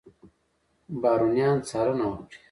بارونیان څارنه وکړي.